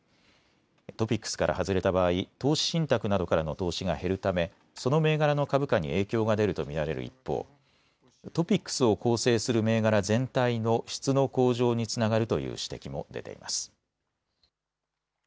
トピックスから外れた場合、投資信託などからの投資が減るため、その銘柄の株価に影響が出ると見られる一方、トピックスを構成する銘柄全体の質の向上につながるという指摘も出ています。